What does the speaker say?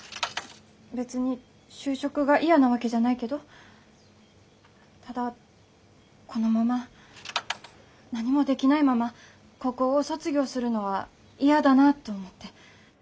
別に就職が嫌なわけじゃないけどただこのまま何もできないまま高校を卒業するのは嫌だなと思って。